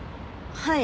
はい。